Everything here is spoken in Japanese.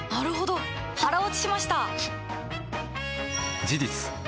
腹落ちしました！